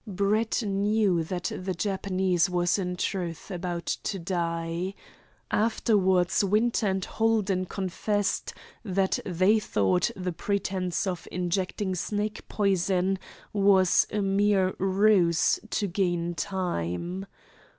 Brett knew that the Japanese was in truth about to die. Afterwards Winter and Holden confessed that they thought the pretence of injecting snake poison was a mere ruse to gain time.